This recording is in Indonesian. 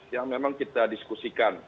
yang memang kita diskusikan